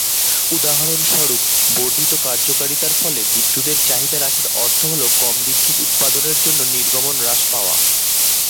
উদাহরণস্বরূপ, বর্ধিত কার্যকারিতার ফলে বিদ্যুতের চাহিদা হ্রাসের অর্থ হলো কম বিদ্যুৎ উৎপাদনের জন্য নির্গমন হ্রাস পাওয়া।